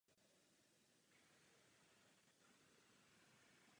Pít Krev pak znamená poznání příčin skutků Jeho.